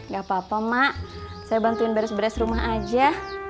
gak apa apa mak saya bantuin beras beras rumah aja